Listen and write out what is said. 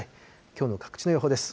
きょうの各地の予報です。